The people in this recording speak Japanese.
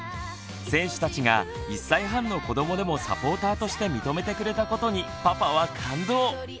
選手たちが１歳半の子どもでもサポーターとして認めてくれたことにパパは感動。